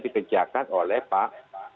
dikejakan oleh pak